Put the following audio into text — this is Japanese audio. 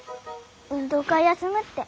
運動会休むって。